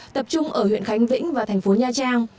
tập trung ở huyện khánh vĩnh và thành phố nha trang